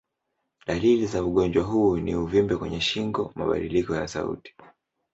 Dalili za ugonjwa huu ni uvimbe kwenye shingo, mabadiliko ya sauti.